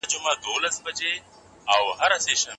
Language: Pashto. شیدې د کیلشیم او پروټین ښه سرچینه ده.